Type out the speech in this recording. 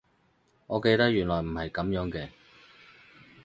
我記得原來唔係噉樣嘅